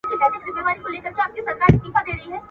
سپی په مخ کي سي د لاري رهنما سي